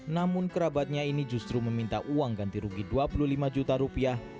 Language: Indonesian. namun kerabatnya ini justru meminta uang ganti rugi dua puluh lima juta rupiah